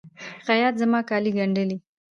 خیاطه! زما کالي د ګنډلي؟